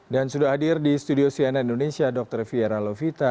dan sudah hadir di studio cnn indonesia dr viera lovita